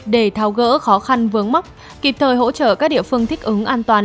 để tháo gỡ khó khăn vướng mốc kịp thời hỗ trợ các địa phương thích ứng an toàn